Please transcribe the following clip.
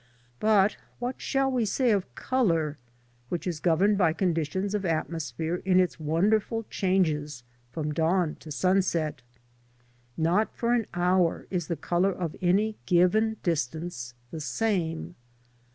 But what shall we say of colour which is governed by conditions of atmosphere in its wonderful changes from dawn to sunset? Not for an hour is the colour at any given distance the same.